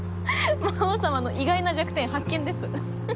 魔王様の意外な弱点発見ですふふっ。